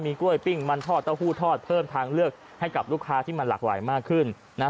กล้วยปิ้งมันทอดเต้าหู้ทอดเพิ่มทางเลือกให้กับลูกค้าที่มันหลากหลายมากขึ้นนะฮะ